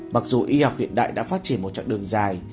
mặc dù y học hiện đại đã phát triển một chặng đường dài